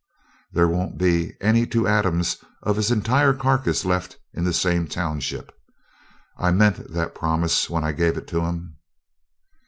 There won't be any two atoms of his entire carcass left in the same township. I meant that promise when I gave it to him!"